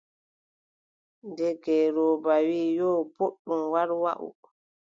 Nde ngeelooba wii :« yo, booɗɗum war waʼu. ».